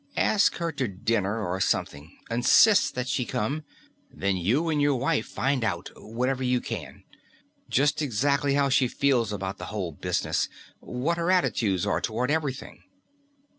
Ask her to dinner or something. Insist that she come. Then you and your wife find out whatever you can. Just exactly how she feels about the whole business. What her attitudes are toward everything."